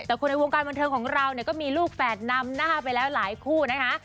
แต่คนในวงการบันเทิงของเราเนี่ยก็มีลูกแฝดนำหน้าไปแล้วหลายคู่นะคะ